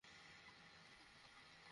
আমরা অপরাধ করতে এসেছি।